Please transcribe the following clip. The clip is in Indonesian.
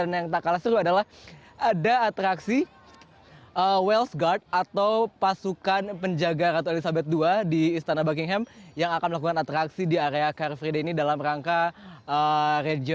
dan yang tak kalah seru adalah ada atraksi wells guard atau pasukan penjaga ratu elizabeth ii di istana buckingham yang akan melakukan atraksi di area car free day ini